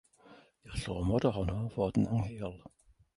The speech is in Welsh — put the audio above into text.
Gall ormod ohono fod yn angheuol.